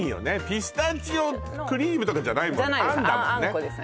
ピスタチオクリームとかじゃないもんねじゃないです